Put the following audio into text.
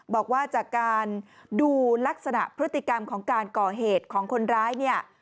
บอกว่าจากการดูลักษณะพฤติกรรมของการก่อเหตุของคนร้ายเนี่ย